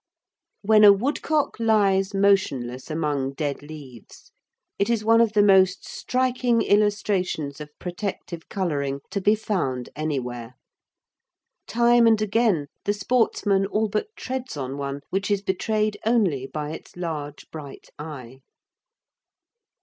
When a woodcock lies motionless among dead leaves, it is one of the most striking illustrations of protective colouring to be found anywhere. Time and again the sportsman all but treads on one, which is betrayed only by its large bright eye.